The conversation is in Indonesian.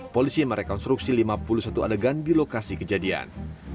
polisi merekonstruksi lima puluh satu adegan di lokasi kejadian